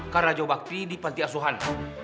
karena jawab bakti di panti asuhan